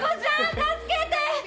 助けて！